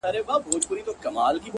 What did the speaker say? د جهنم منځ کي د اوسپني زنځیر ویده دی”